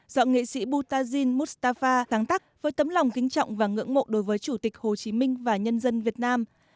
do nghệ sĩ boutazine moustapha tăng tắc với tấm lòng kính trọng và ngưỡng mộ đối với chủ tịch hồ chí minh và nhân dân việt nam